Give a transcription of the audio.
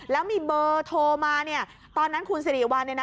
แล้วมีเบอร์โทรมาเนี่ยตอนนั้นคุณสิริวัลเนี่ยนะ